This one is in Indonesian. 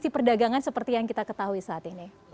perdagangan seperti yang kita ketahui saat ini